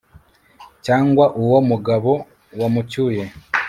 cyangwa uwo mugabo wamucyuye